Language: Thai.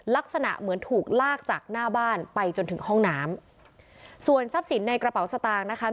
ลักษณะเหมือนถูกลากจากหน้าบ้านไปจนถึงห้องน้ำส่วนทรัพย์สินในกระเป๋าสตางค์นะคะ